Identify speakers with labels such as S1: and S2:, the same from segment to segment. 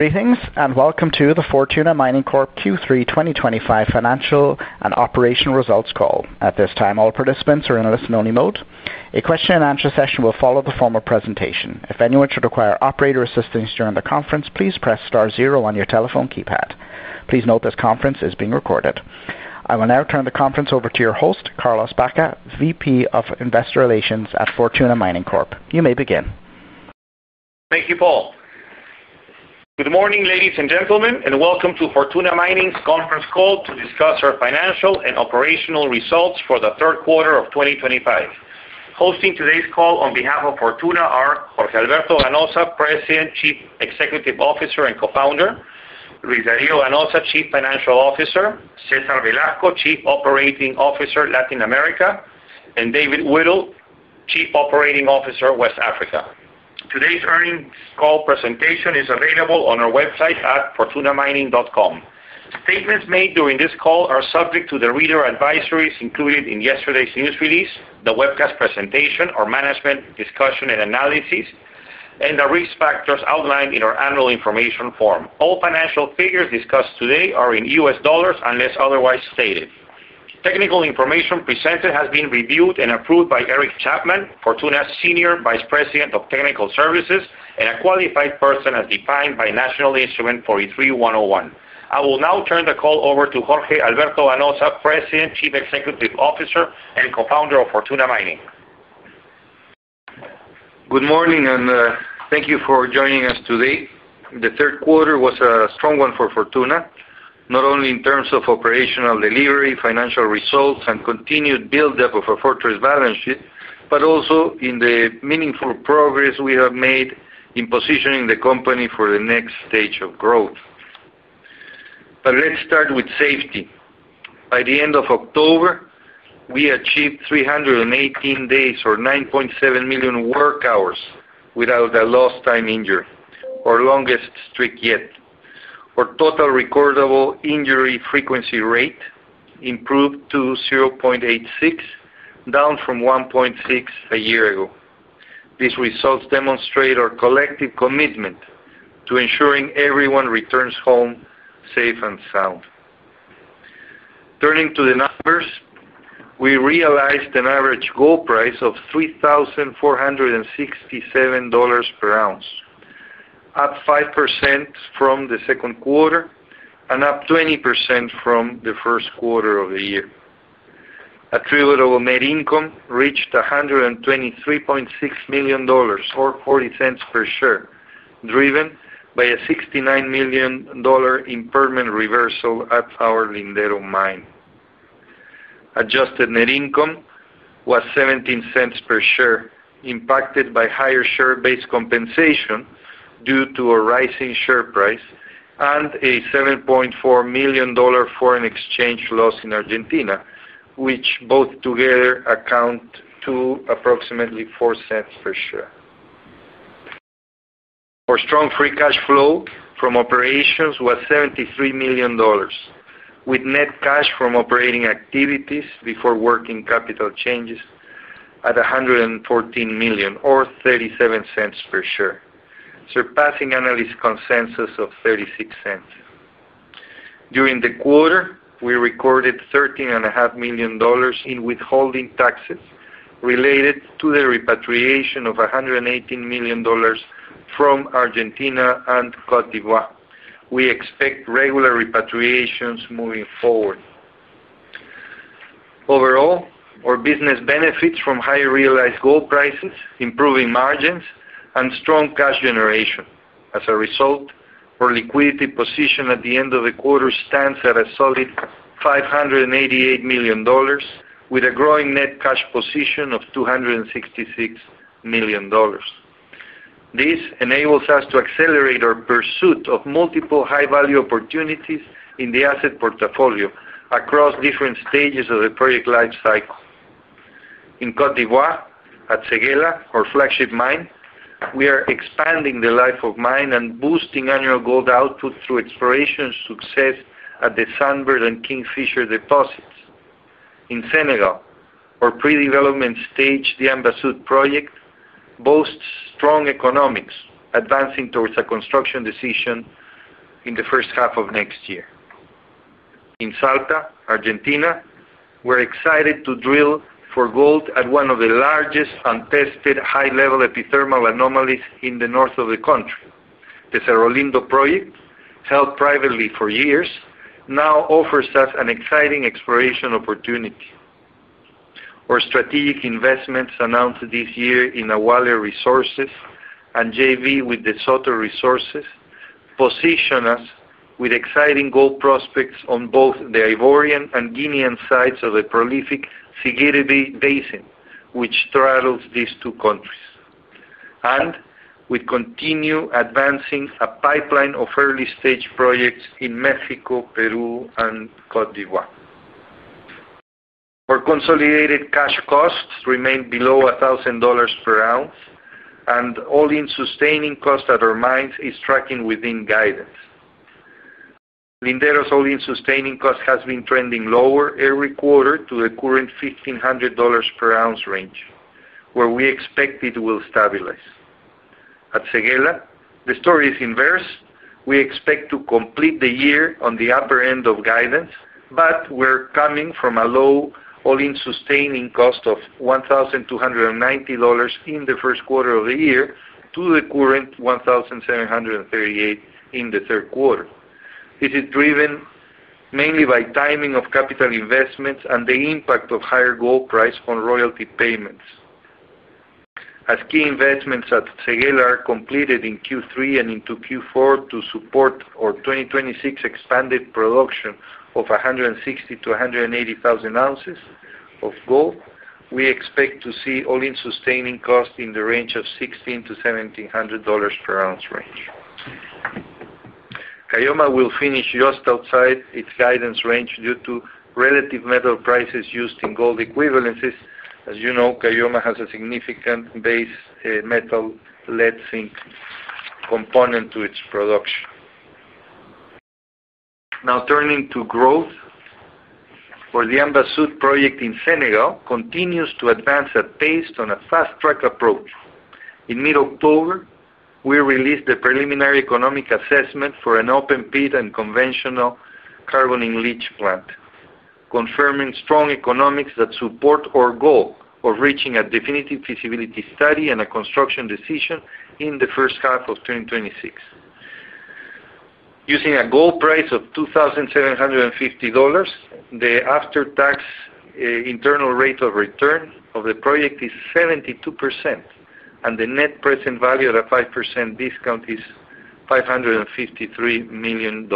S1: Greetings and welcome to the Fortuna Mining Corp Q3 2025 Financial and Operational Results Call. At this time, all participants are in a listen-only mode. A question-and-answer session will follow the formal presentation. If anyone should require operator assistance during the conference, please press star zero on your telephone keypad. Please note this conference is being recorded. I will now turn the conference over to your host, Carlos Baca, Vice President of Investor Relations at Fortuna Mining Corp. You may begin.
S2: Thank you, Paul. Good morning, ladies and gentlemen, and welcome to Fortuna Mining's Conference Call to discuss our financial and operational results for the third quarter of 2025. Hosting today's call on behalf of Fortuna are Jorge Alberto Ganoza, President, Chief Executive Officer and Co-Founder; Luis Dario Ganoza, Chief Financial Officer; Cesar Velasco, Chief Operating Officer, Latin America; and David Whittle, Chief Operating Officer, West Africa. Today's earnings call presentation is available on our website at fortunamining.com. Statements made during this call are subject to the reader advisories included in yesterday's news release, the webcast presentation, our management discussion and analysis, and the risk factors outlined in our annual information form. All financial figures discussed today are in US dollars unless otherwise stated. Technical information presented has been reviewed and approved by Eric Chapman, Fortuna's Senior Vice President of Technical Services, and a qualified person as defined by National Instrument 43-101. I will now turn the call over to Jorge Alberto Ganoza, President, Chief Executive Officer, and Co-founder of Fortuna Mining.
S3: Good morning and thank you for joining us today. The third quarter was a strong one for Fortuna, not only in terms of operational delivery, financial results, and continued build-up of our Fortress Balance Sheet, but also in the meaningful progress we have made in positioning the company for the next stage of growth. Let's start with safety. By the end of October, we achieved 318 days or 9.7 million work hours without a lost-time injury, our longest streak yet. Our total recordable injury frequency rate improved to 0.86, down from 1.6 a year ago. These results demonstrate our collective commitment to ensuring everyone returns home safe and sound. Turning to the numbers, we realized an average gold price of $3,467 per ounce, up 5% from the second quarter and up 20% from the first quarter of the year. Attributable net income reached $123.6 million, or $0.40 per share, driven by a $69 million impairment reversal at our Lindero Mine. Adjusted net income was $0.17 per share, impacted by higher share-based compensation due to a rising share price and a $7.4 million foreign exchange loss in Argentina, which both together account for approximately $0.04 per share. Our strong free cash flow from operations was $73 million, with net cash from operating activities before working capital changes at $114 million, or $0.37 per share, surpassing analyst consensus of $0.36. During the quarter, we recorded $13.5 million in withholding taxes related to the repatriation of $118 million from Argentina and Côte d'Ivoire. We expect regular repatriations moving forward. Overall, our business benefits from high realized gold prices, improving margins, and strong cash generation. As a result, our liquidity position at the end of the quarter stands at a solid $588 million, with a growing net cash position of $266 million. This enables us to accelerate our pursuit of multiple high-value opportunities in the asset portfolio across different stages of the project lifecycle. In Côte d'Ivoire, at Séguéla, our flagship mine, we are expanding the life of mine and boosting annual gold output through exploration success at the Sunbird and Kingfisher deposits. In Senegal, our pre-development stage, the Ambasud project, boasts strong economics, advancing towards a construction decision in the first half of next year. In Salta, Argentina, we're excited to drill for gold at one of the largest untested high-level epithermal anomalies in the north of the country. The Cerro Lindo project, held privately for years, now offers us an exciting exploration opportunity. Our strategic investments announced this year in Awalé Resources and JV with the DeSoto Resources position us with exciting gold prospects on both the Ivorian and Guinean sides of the prolific Siguiri Basin, which straddles these two countries. We continue advancing a pipeline of early-stage projects in Mexico, Peru, and Côte d'Ivoire. Our consolidated cash costs remain below $1,000 per ounce, and all-in sustaining cost at our mines is tracking within guidance. Lindero's all-in sustaining cost has been trending lower every quarter to the current $1,500 per ounce range, where we expect it will stabilize. At Séguéla, the story is inverse. We expect to complete the year on the upper end of guidance, but we're coming from a low all-in sustaining cost of $1,290 in the first quarter of the year to the current $1,738 in the third quarter. This is driven mainly by timing of capital investments and the impact of higher gold price on royalty payments. As key investments at Séguéla are completed in Q3 and into Q4 to support our 2026 expanded production of 160,000-180,000 ounces of gold, we expect to see all-in sustaining costs in the range of $1,600-$1,700 per ounce. Caylloma will finish just outside its guidance range due to relative metal prices used in gold equivalences. As you know, Caylloma has a significant base metal lead zinc component to its production. Now, turning to growth. For the Ambasud project in Senegal, it continues to advance at pace on a fast-track approach. In mid-October, we released the preliminary economic assessment for an open pit and conventional carbon leach plant. Confirming strong economics that support our goal of reaching a definitive feasibility study and a construction decision in the first half of 2026. Using a gold price of $2,750. The after-tax internal rate of return of the project is 72%. The net present value at a 5% discount is $553 million.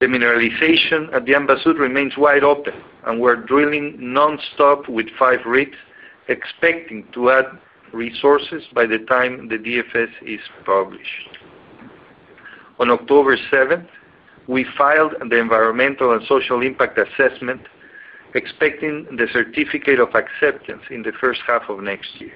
S3: The mineralization at the Ambasud remains wide open, and we're drilling nonstop with five rigs, expecting to add resources by the time the DFS is published. On October 7, we filed the environmental and social impact assessment. Expecting the certificate of acceptance in the first half of next year.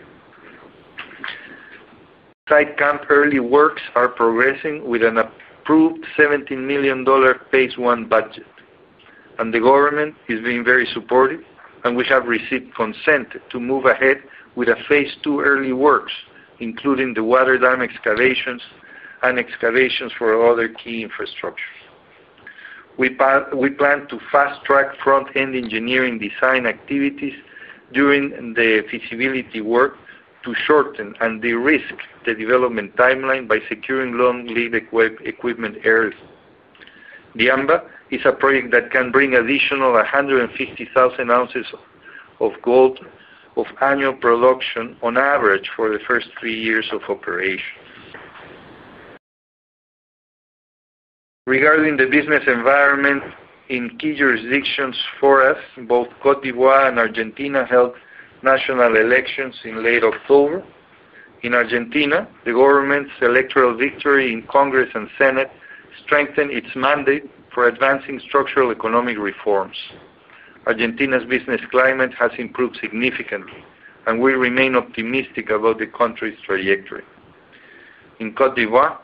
S3: Site camp early works are progressing with an approved $17 million phase one budget. The government has been very supportive, and we have received consent to move ahead with a phase two early works, including the water dam excavations and excavations for other key infrastructures. We plan to fast-track front-end engineering design activities during the feasibility work to shorten and de-risk the development timeline by securing long lead equipment early. The Ambasud project is a project that can bring an additional 150,000 ounces of gold of annual production on average for the first three years of operation. Regarding the business environment in key jurisdictions for us, both Côte d'Ivoire and Argentina held national elections in late October. In Argentina, the government's electoral victory in Congress and Senate strengthened its mandate for advancing structural economic reforms. Argentina's business climate has improved significantly, and we remain optimistic about the country's trajectory. In Côte d'Ivoire,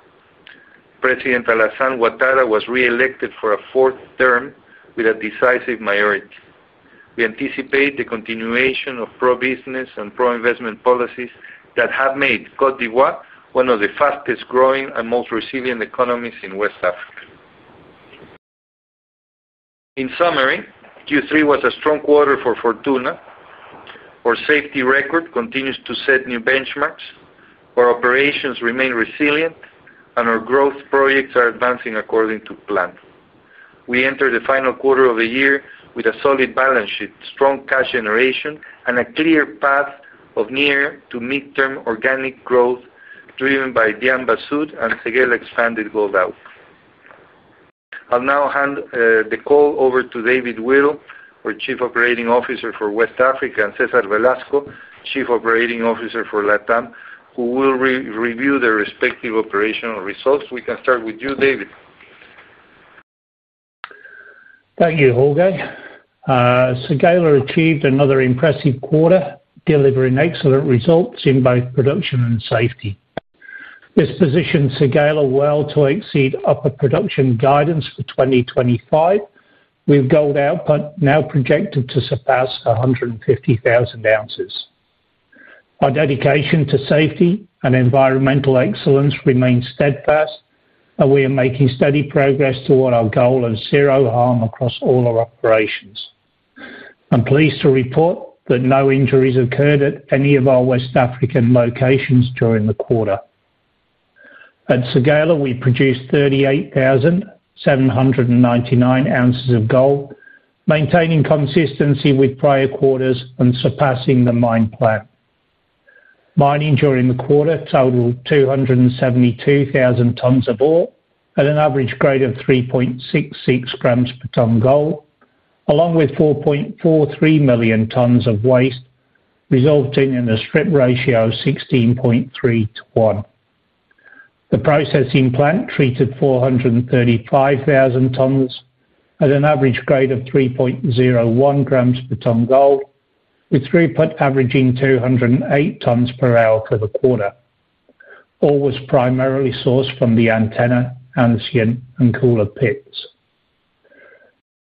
S3: President Alassane Ouattara was re-elected for a fourth term with a decisive majority. We anticipate the continuation of pro-business and pro-investment policies that have made Côte d'Ivoire one of the fastest-growing and most resilient economies in West Africa. In summary, Q3 was a strong quarter for Fortuna. Our safety record continues to set new benchmarks. Our operations remain resilient, and our growth projects are advancing according to plan. We entered the final quarter of the year with a solid balance sheet, strong cash generation, and a clear path of near to midterm organic growth driven by the Ambasud and Séguéla expanded gold output. I'll now hand the call over to David Whittle, our Chief Operating Officer for West Africa, and Cesar Velasco, Chief Operating Officer for Latin America, who will review their respective operational results. We can start with you, David.
S4: Thank you, Jorge. Séguéla achieved another impressive quarter, delivering excellent results in both production and safety. This positioned Séguéla well to exceed upper production guidance for 2025, with gold output now projected to surpass 150,000 ounces. Our dedication to safety and environmental excellence remains steadfast, and we are making steady progress toward our goal of zero harm across all our operations. I'm pleased to report that no injuries occurred at any of our West African locations during the quarter. At Séguéla, we produced 38,799 ounces of gold, maintaining consistency with prior quarters and surpassing the mine plan. Mining during the quarter totaled 272,000 tons of ore at an average grade of 3.66 grams per ton gold, along with 4.43 million tons of waste, resulting in a strip ratio of 16.3 to 1. The processing plant treated 435,000 tons at an average grade of 3.01 grams per ton gold, with throughput averaging 208 tons per hour for the quarter. Ore was primarily sourced from the Antenna, Ancien, and Koula pits.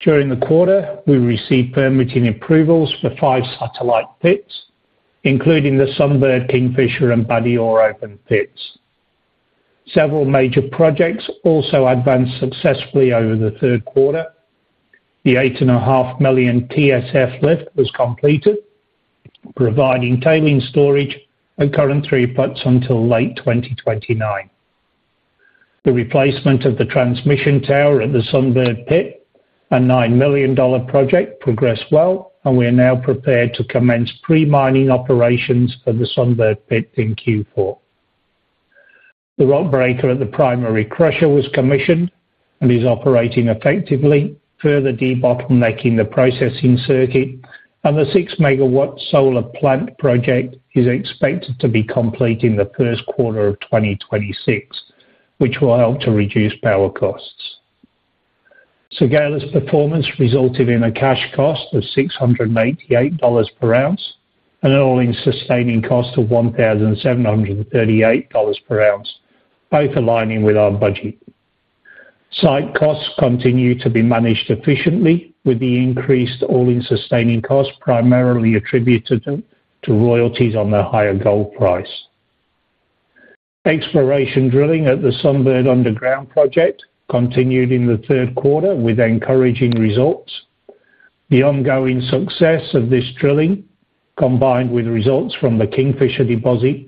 S4: During the quarter, we received permitting approvals for five satellite pits, including the Sunbird, Kingfisher, and Badior open pits. Several major projects also advanced successfully over the third quarter. The 8.5 million TSF lift was completed, providing tailings storage and current throughputs until late 2029. The replacement of the transmission tower at the Sunbird pit and $9 million project progressed well, and we are now prepared to commence pre-mining operations for the Sunbird pit in Q4. The Rock Breaker at the Primary Crusher was commissioned and is operating effectively, further de-bottlenecking the processing circuit, and the 6-megawatt solar plant project is expected to be complete in the first quarter of 2026, which will help to reduce power costs. Séguéla's performance resulted in a cash cost of $688 per ounce and an all-in sustaining cost of $1,738 per ounce, both aligning with our budget. Site costs continue to be managed efficiently, with the increased all-in sustaining costs primarily attributed to royalties on the higher gold price. Exploration drilling at the Sunbird underground project continued in the third quarter with encouraging results. The ongoing success of this drilling, combined with results from the Kingfisher deposit,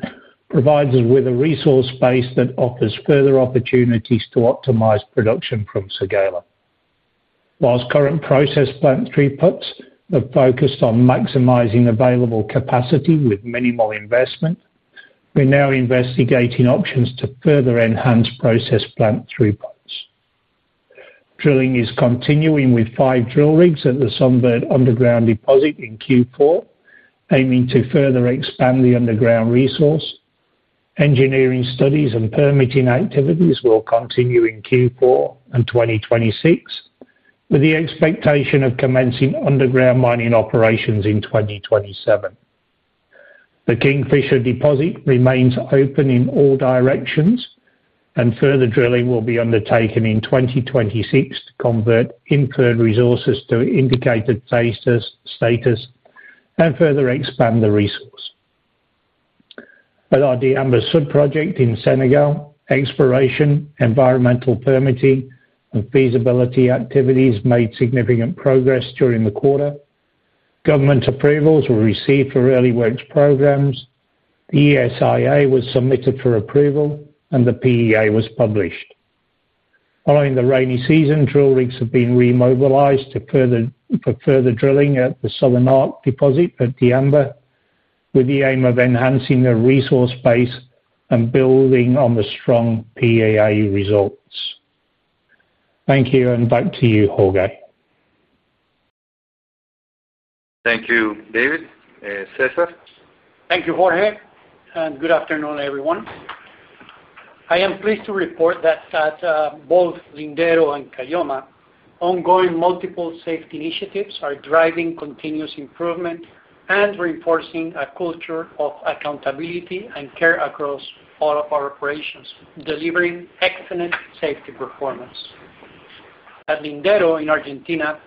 S4: provides us with a resource base that offers further opportunities to optimize production from Séguéla. Whilst current process plant throughputs have focused on maximizing available capacity with minimal investment, we're now investigating options to further enhance process plant throughputs. Drilling is continuing with five drill rigs at the Sunbird underground deposit in Q4, aiming to further expand the underground resource. Engineering studies and permitting activities will continue in Q4 and 2026, with the expectation of commencing underground mining operations in 2027. The Kingfisher deposit remains open in all directions, and further drilling will be undertaken in 2026 to convert inferred resources to indicated status and further expand the resource. At our Ambasud project in Senegal, exploration, environmental permitting, and feasibility activities made significant progress during the quarter. Government approvals were received for early works programs. The ESIA was submitted for approval, and the PEA was published. Following the rainy season, drill rigs have been remobilized for further drilling at the Southern Arc deposit at D'Amber, with the aim of enhancing the resource base and building on the strong PEA results. Thank you, and back to you, Jorge.
S3: Thank you, David. Thank you, Cesar.
S5: Thank you, Jorge. Good afternoon, everyone. I am pleased to report that at both Lindero and Caylloma, ongoing multiple safety initiatives are driving continuous improvement and reinforcing a culture of accountability and care across all of our operations, delivering excellent safety performance. At Lindero in Argentina,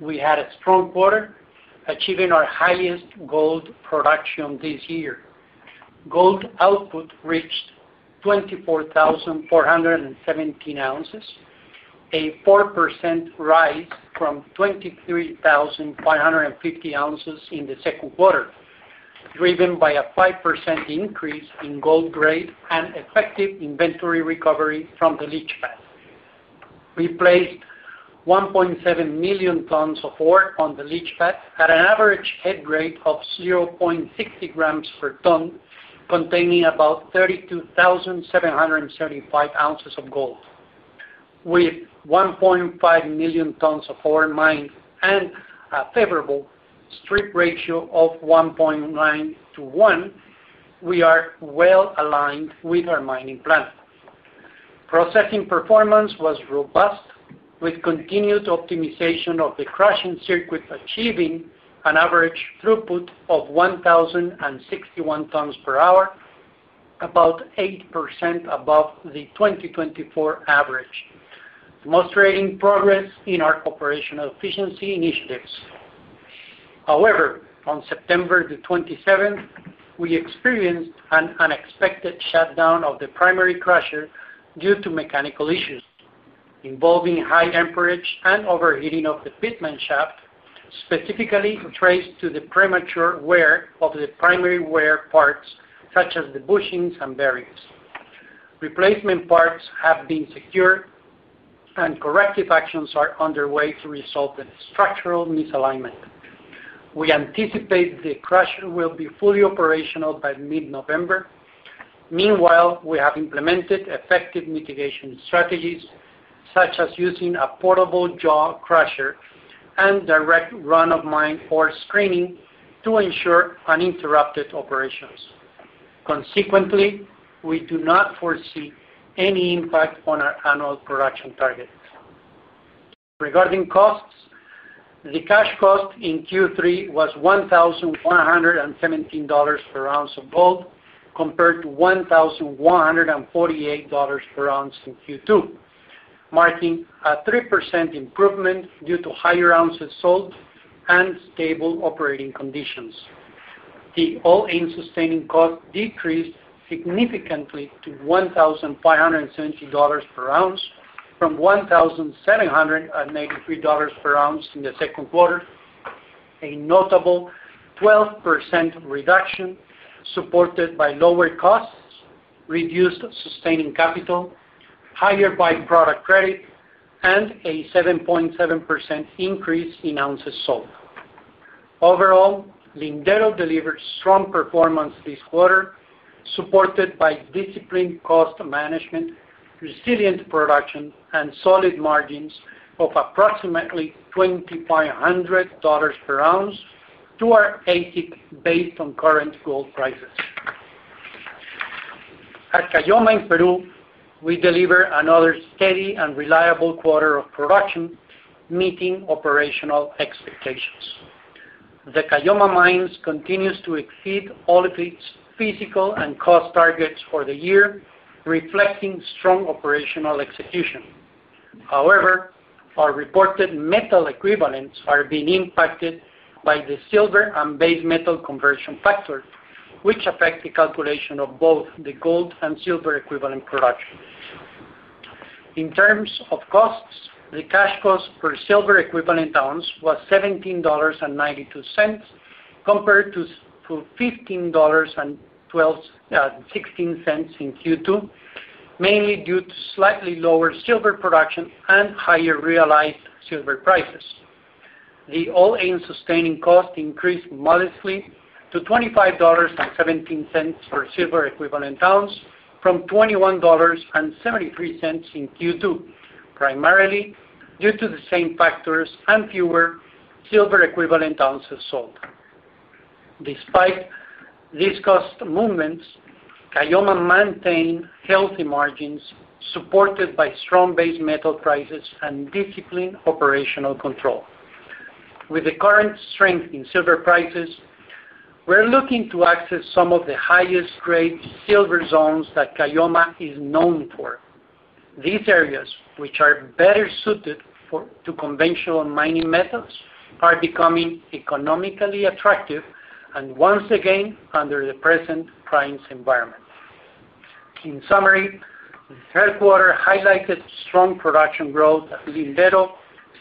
S5: we had a strong quarter, achieving our highest gold production this year. Gold output reached 24,417 ounces, a 4% rise from 23,550 ounces in the second quarter, driven by a 5% increase in gold grade and effective inventory recovery from the Leach Pad. We placed 1.7 million tons of ore on the Leach Pad at an average head grade of 0.60 grams per ton, containing about 32,775 ounces of gold. With 1.5 million tons of ore mined and a favorable strip ratio of 1.9-1, we are well aligned with our mining plan. Processing performance was robust, with continued optimization of the crushing circuit, achieving an average throughput of 1,061 tons per hour. About 8% above the 2024 average, demonstrating progress in our operational efficiency initiatives. However, on September the 27th, we experienced an unexpected shutdown of the Primary Crusher due to mechanical issues involving high amperage and overheating of the pitman shaft, specifically traced to the premature wear of the primary wear parts, such as the bushings and bearings. Replacement parts have been secured. Corrective actions are underway to resolve the structural misalignment. We anticipate the crusher will be fully operational by mid-November. Meanwhile, we have implemented effective mitigation strategies, such as using a Portable Jaw Crusher and direct run-of-mine ore screening to ensure uninterrupted operations. Consequently, we do not foresee any impact on our annual production target. Regarding costs, the cash cost in Q3 was $1,117 per ounce of gold, compared to $1,148 per ounce in Q2. Marking a 3% improvement due to higher ounces sold and stable operating conditions. The all-in sustaining cost decreased significantly to $1,570 per ounce from $1,783 per ounce in the second quarter. A notable 12% reduction supported by lower costs, reduced sustaining capital, higher byproduct credit, and a 7.7% increase in ounces sold. Overall, Lindero delivered strong performance this quarter, supported by disciplined cost management, resilient production, and solid margins of approximately $2,500 per ounce to our AISC based on current gold prices. At Caylloma in Peru, we deliver another steady and reliable quarter of production, meeting operational expectations. The Caylloma mines continue to exceed all of its physical and cost targets for the year, reflecting strong operational execution. However, our reported metal equivalents are being impacted by the silver and base metal conversion factor, which affects the calculation of both the gold and silver equivalent production. In terms of costs, the cash cost per silver equivalent ounce was $17.92, compared to $15.16 in Q2, mainly due to slightly lower silver production and higher realized silver prices. The all-in sustaining cost increased modestly to $25.17 per silver equivalent ounce from $21.73 in Q2, primarily due to the same factors and fewer silver equivalent ounces sold. Despite these cost movements, Caylloma maintained healthy margins supported by strong base metal prices and disciplined operational control. With the current strength in silver prices, we're looking to access some of the highest-grade silver zones that Caylloma is known for. These areas, which are better suited to conventional mining methods, are becoming economically attractive once again under the present pricing environment. In summary, the third quarter highlighted strong production growth at Lindero,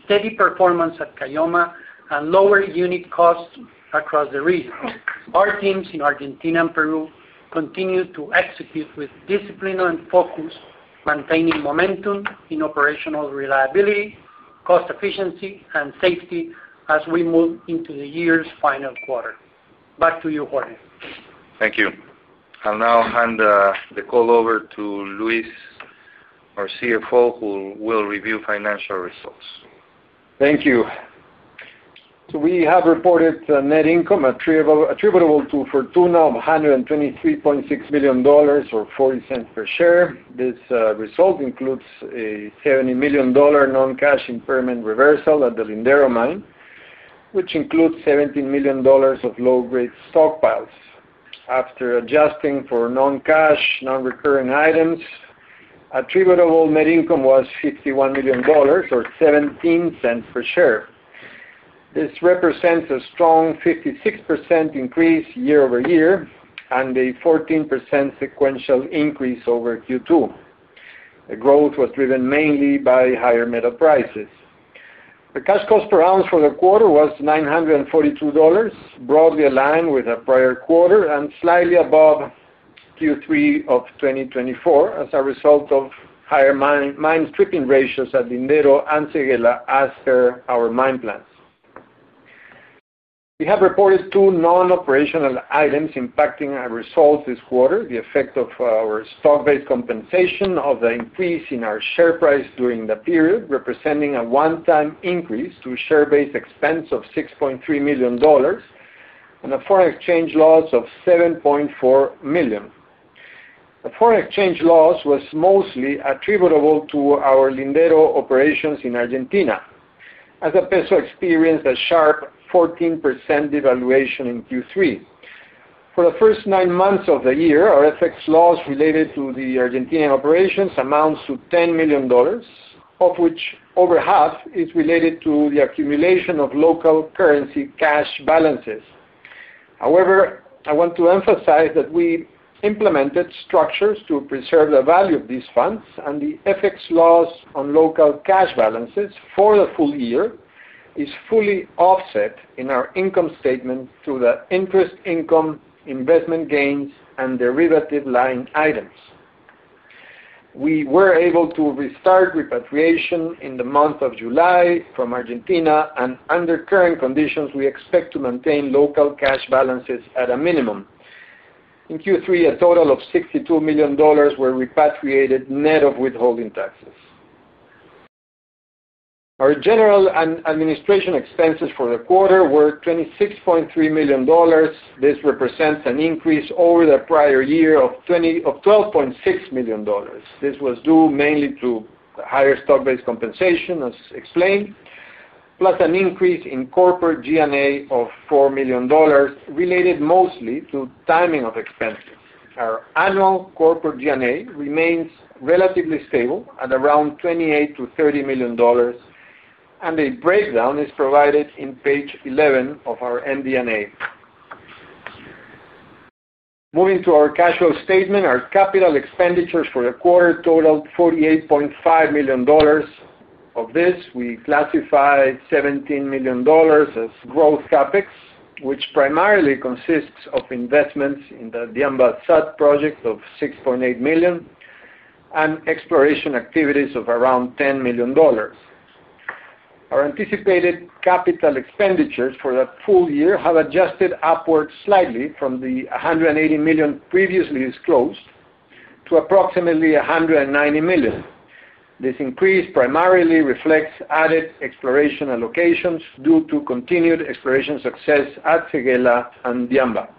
S5: steady performance at Caylloma, and lower unit costs across the region. Our teams in Argentina and Peru continue to execute with discipline and focus, maintaining momentum in operational reliability, cost efficiency, and safety as we move into the year's final quarter. Back to you, Jorge.
S3: Thank you. I'll now hand the call over to Luis, our CFO, who will review financial results.
S6: Thank you. We have reported net income attributable to Fortuna of $123.6 million or $0.40 per share. This result includes a $70 million non-cash impairment reversal at the Lindero mine, which includes $17 million of low-grade stockpiles. After adjusting for non-cash, non-recurring items, attributable net income was $51 million or $0.17 per share. This represents a strong 56% increase year-over-year and a 14% sequential increase over Q2. The growth was driven mainly by higher metal prices. The cash cost per ounce for the quarter was $942, broadly aligned with the prior quarter and slightly above. Q3 of 2024 as a result of higher mine stripping ratios at Lindero and Séguéla as per our mine plans. We have reported two non-operational items impacting our results this quarter: the effect of our stock-based compensation of the increase in our share price during the period, representing a one-time increase to share-based expense of $6.3 million. A foreign exchange loss of $7.4 million. The foreign exchange loss was mostly attributable to our Lindero operations in Argentina, as the peso experienced a sharp 14% devaluation in Q3. For the first nine months of the year, our FX loss related to the Argentinian operations amounts to $10 million, of which over half is related to the accumulation of local currency cash balances. However, I want to emphasize that we implemented structures to preserve the value of these funds, and the FX loss on local cash balances for the full year is fully offset in our income statement through the interest income, investment gains, and derivative line items.
S4: We were able to restart repatriation in the month of July from Argentina, and under current conditions, we expect to maintain local cash balances at a minimum. In Q3, a total of $62 million were repatriated net of withholding taxes. Our general and administration expenses for the quarter were $26.3 million. This represents an increase over the prior year of $12.6 million. This was due mainly to higher stock-based compensation, as explained, plus an increase in corporate G&A of $4 million, related mostly to timing of expenses. Our annual corporate G&A remains relatively stable at around $28-$30 million. A breakdown is provided in page 11 of our MD&A. Moving to our cash flow statement, our capital expenditures for the quarter totaled $48.5 million. Of this, we classify $17 million as growth CapEx, which primarily consists of investments in the Ambasud project of $6.8 million. Exploration activities of around $10 million. Our anticipated capital expenditures for the full year have adjusted upward slightly from the $180 million previously disclosed to approximately $190 million. This increase primarily reflects added exploration allocations due to continued exploration success at Séguéla and D'Amba.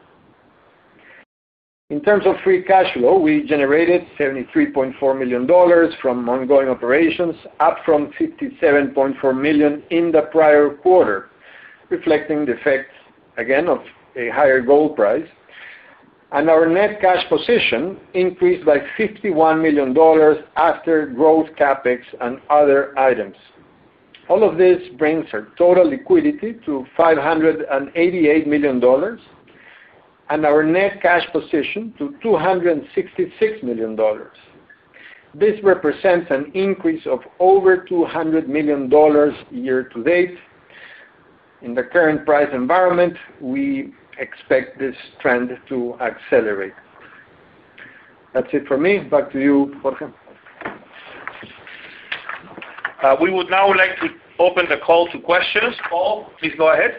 S4: In terms of free cash flow, we generated $73.4 million from ongoing operations, up from $57.4 million in the prior quarter, reflecting the effect, again, of a higher gold price. Our net cash position increased by $51 million after growth CapEx and other items. All of this brings our total liquidity to $588 million and our net cash position to $266 million. This represents an increase of over $200 million year to date. In the current price environment, we expect this trend to accelerate. That is it for me. Back to you, Jorge.
S3: We would now like to open the call to questions. Paul, please go ahead.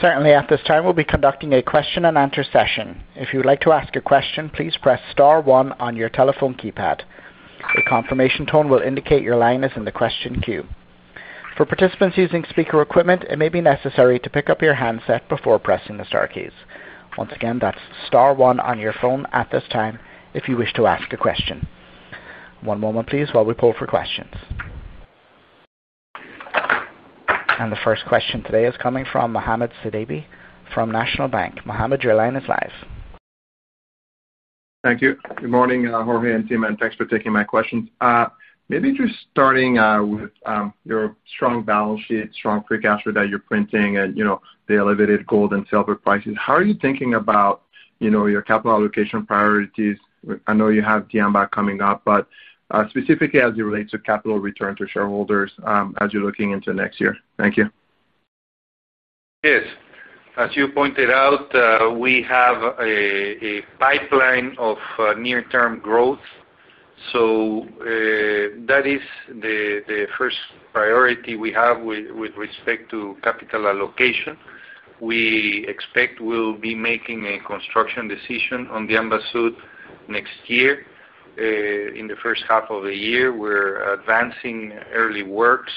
S1: Certainly, at this time, we'll be conducting a question-and-answer session. If you would like to ask a question, please press star one on your telephone keypad. A confirmation tone will indicate your line is in the question queue. For participants using speaker equipment, it may be necessary to pick up your handset before pressing the star keys. Once again, that's star one on your phone at this time if you wish to ask a question. One moment, please, while we pull for questions. The first question today is coming from Mohamed Sidibé from National Bank. Mohammed, your line is live.
S7: Thank you. Good morning, Jorge and Tim, and thanks for taking my questions. Maybe just starting with your strong balance sheet, strong free cash flow that you're printing, and the elevated gold and silver prices. How are you thinking about your capital allocation priorities? I know you have D'Amba coming up, but specifically as it relates to capital return to shareholders as you're looking into next year. Thank you.
S3: Yes. As you pointed out, we have a pipeline of near-term growth. That is the first priority we have with respect to capital allocation. We expect we'll be making a construction decision on Ambasud next year. In the first half of the year, we're advancing early works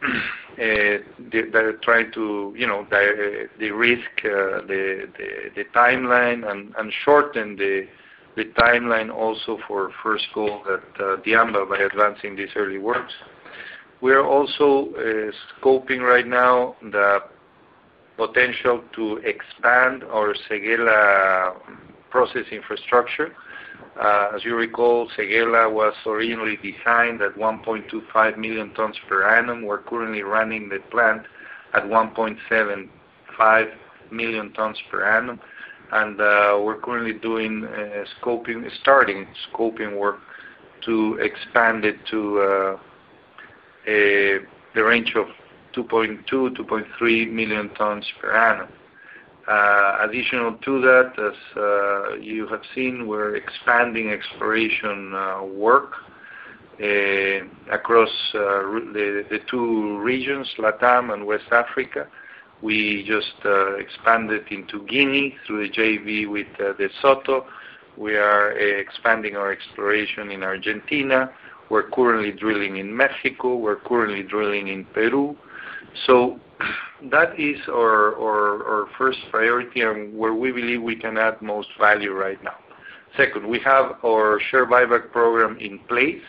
S3: that are trying to derisk the timeline and shorten the timeline also for first gold at Amba by advancing these early works. We're also scoping right now the potential to expand our Séguéla process infrastructure. As you recall, Séguéla was originally designed at 1.25 million tons per annum. We're currently running the plant at 1.75 million tons per annum. We're currently starting scoping work to expand it to the range of 2.2-2.3 million tons per annum. Additional to that, as you have seen, we're expanding exploration work across the two regions, LATAM and West Africa. We just expanded into Guinea through the JV with DeSoto. We are expanding our exploration in Argentina. We're currently drilling in Mexico. We're currently drilling in Peru. That is our first priority and where we believe we can add most value right now. Second, we have our share buyback program in place.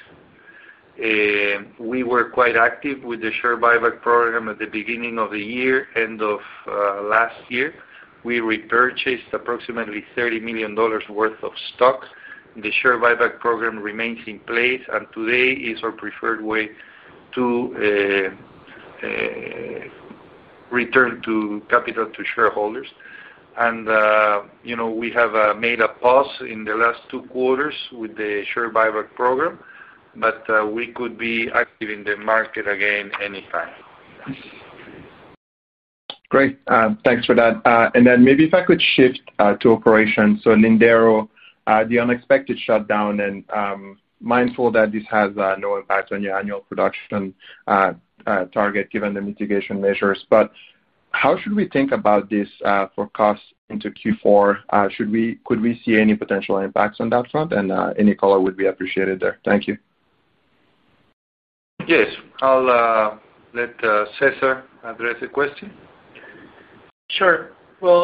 S3: We were quite active with the share buyback program at the beginning of the year, end of last year. We repurchased approximately $30 million worth of stock. The share buyback program remains in place, and today is our preferred way to return capital to shareholders. We have made a pause in the last two quarters with the share buyback program, but we could be active in the market again anytime.
S7: Great. Thanks for that. Maybe if I could shift to operations. Lindero had the unexpected shutdown. Mindful that this has no impact on your annual production target given the mitigation measures. How should we think about this for cost into Q4? Could we see any potential impacts on that front? Any color would be appreciated there. Thank you.
S3: Yes. I'll let Cesar address the question.
S5: Sure.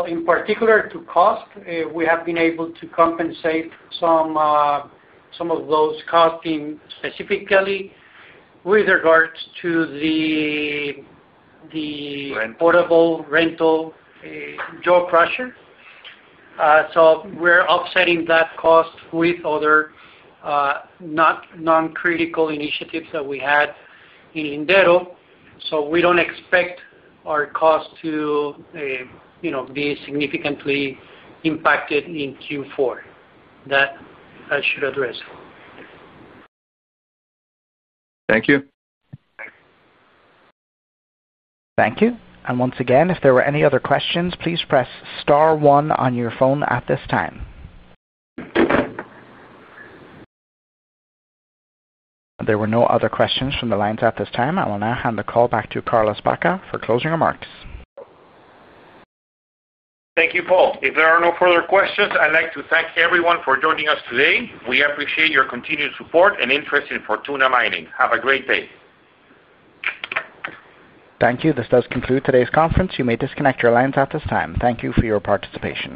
S5: In particular to cost, we have been able to compensate some of those costs specifically with regards to the Portable Rental Jaw Crusher. We are offsetting that cost with other non-critical initiatives that we had in Lindero. We do not expect our cost to be significantly impacted in Q4. That I should address.
S7: Thank you.
S5: Thank you.
S1: Thank you. If there were any other questions, please press star one on your phone at this time. There were no other questions from the lines at this time. I will now hand the call back to Carlos Baca for closing remarks.
S2: Thank you, Paul. If there are no further questions, I'd like to thank everyone for joining us today. We appreciate your continued support and interest in Fortuna Mining. Have a great day.
S1: Thank you. This does conclude today's conference. You may disconnect your lines at this time. Thank you for your participation.